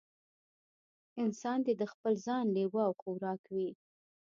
انسان دې د خپل ځان لېوه او خوراک وي.